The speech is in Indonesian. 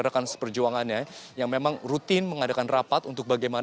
rekan seperjuangannya yang memang rutin mengadakan rapat untuk bagaimana